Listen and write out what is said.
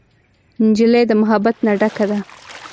نجلۍ د محبت نه ډکه ده.